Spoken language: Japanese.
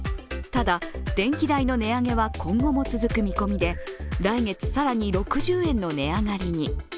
ただ、電気代の値上げは今後も続く見込みで来月、更に６０円の値上がりに。